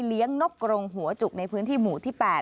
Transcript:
นกกรงหัวจุกในพื้นที่หมู่ที่๘